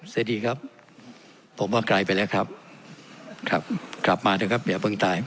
สวัสดีครับผมว่าไกลไปแล้วครับครับกลับมาเถอะครับอย่าเพิ่งตาย